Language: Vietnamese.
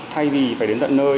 thay vì phải đến tận nơi